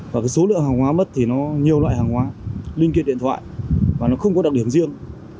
và cái số lượng hàng hóa mất thì nó nhiều loại hàng hóa linh kiện điện thoại và nó không có đặc điểm riêng